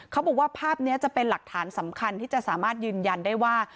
เขาบอกว่าภาพนี้จะเป็นหลักฐานสำคัญที่จะสามารถยืนยันได้ว่า